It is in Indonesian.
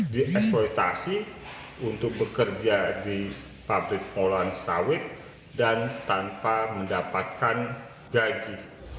dieksploitasi untuk bekerja di pabrik pengelolaan sawit dan tanpa mendapatkan gaji